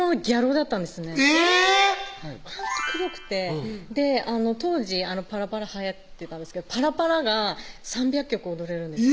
ほんと黒くて当時パラパラはやってたんですけどパラパラが３００曲踊れるんです